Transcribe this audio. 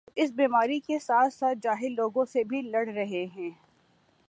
جو اس بیماری کے ساتھ ساتھ جاہل لوگوں سے بھی لڑ رہے ہیں